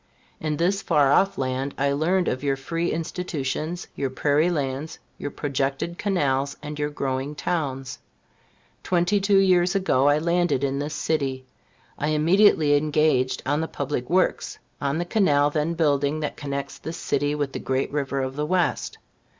In this far off land, I heard of your free institutions, your prairie lands, your projected canals, and your growing towns. Twenty two years ago, I landed in this city. I immediately engaged on the public works, on the canal then building that connects this city with the great river of the West.